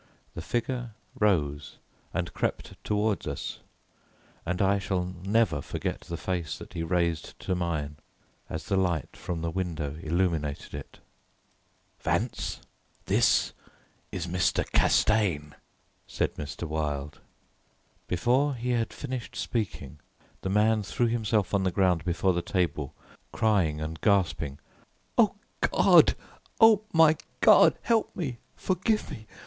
The figure rose and crept towards us, and I shall never forget the face that he raised to mine, as the light from the window illuminated it. "Vance, this is Mr. Castaigne," said Mr. Wilde. Before he had finished speaking, the man threw himself on the ground before the table, crying and grasping, "Oh, God! Oh, my God! Help me! Forgive me!